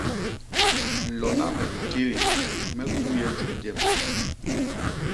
Lona me hitidin me kuye juu jem.